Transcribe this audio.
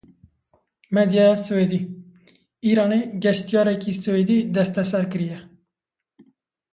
Medyaya Swedê; Îranê geştyarekî Swêdî desteser kiriye.